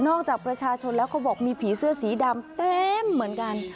จากประชาชนแล้วเขาบอกมีผีเสื้อสีดำเต็มเหมือนกัน